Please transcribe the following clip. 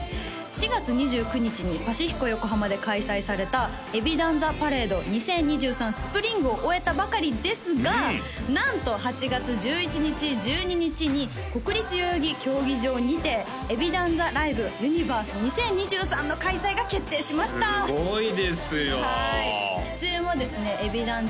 ４月２９日にパシフィコ横浜で開催された「ＥＢｉＤＡＮＴＨＥＰＡＲＡＤＥ２０２３ＳＰＲＩＮＧ」を終えたばかりですがなんと８月１１日１２日に国立代々木競技場にて「ＥＢｉＤＡＮＴＨＥＬＩＶＥＵＮＩＶＥＲＳＥ２０２３」の開催が決定しましたすごいですよはい出演はですねＥＢｉＤＡＮ